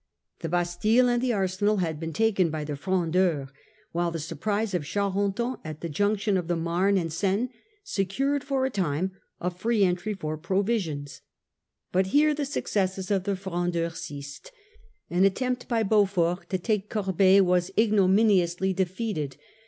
The Bastille and the arsenal had been taken by the Frondeurs ; while the surprise of Charenton at the junction of the Marne and Seine secured for a time a free entry for provisions. But here the successes of the Frondeurs ceased ; an attempt by Beaufort to take Corbeil was ignominiously defeated.